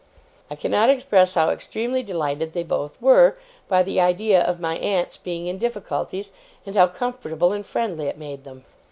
I cannot express how extremely delighted they both were, by the idea of my aunt's being in difficulties; and how comfortable and friendly it made them.